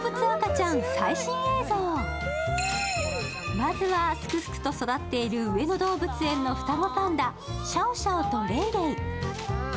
まずは、すくすくと育っている上野動物園の双子パンダ、シャオシャオとレイレイ。